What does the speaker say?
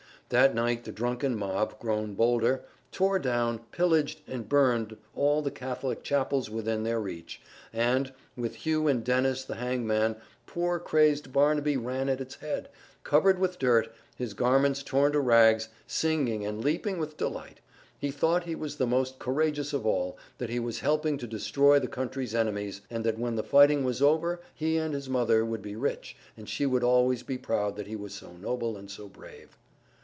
That night the drunken mob, grown bolder, tore down, pillaged and burned all the Catholic chapels within their reach, and, with Hugh and Dennis the hangman, poor crazed Barnaby ran at its head, covered with dirt, his garments torn to rags, singing and leaping with delight. He thought he was the most courageous of all, that he was helping to destroy the country's enemies, and that when the fighting was over he and his mother would be rich and she would always be proud that he was so noble and so brave.